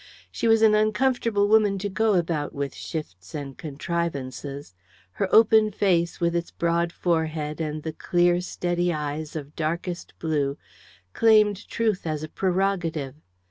She was an uncomfortable woman to go about with shifts and contrivances. Her open face, with its broad forehead and the clear, steady eyes of darkest blue, claimed truth as a prerogative.